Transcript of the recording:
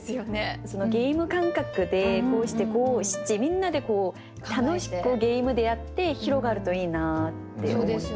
ゲーム感覚でこうして五七みんなでこう楽しくゲームでやって広がるといいなって思いますね。